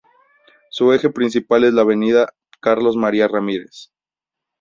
Su eje principal es la avenida Carlos María Ramírez.